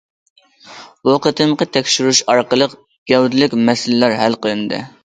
بۇ قېتىمقى تەكشۈرۈش ئارقىلىق گەۋدىلىك مەسىلىلەر ھەل قىلىندى.